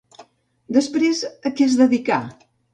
Després a què es dedicà?